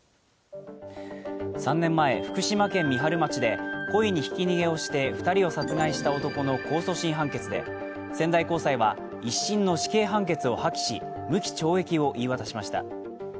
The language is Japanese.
３年前、福島県三春町で故意にひき逃げをして２人を殺害した男の控訴審判決で仙台高裁は１審の死刑判決を破棄し無期懲役を言い渡しました。